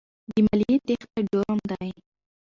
د مالیې تېښته جرم دی.